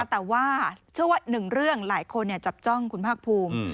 แต่ว่าเชื่อว่าหนึ่งเรื่องหลายคนจับจ้องคุณภาคภูมิ